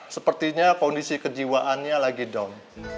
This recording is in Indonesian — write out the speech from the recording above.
sepertinya kondisi kejiwaannya lagi down